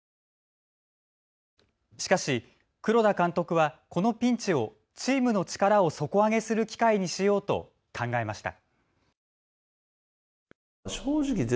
しかし黒田監督はこのピンチをチームの力を底上げする機会にしようと考えました。